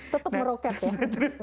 tetap meroket ya